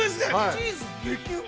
チーズ激うま。